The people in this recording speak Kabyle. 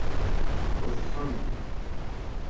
Ḍḍsen.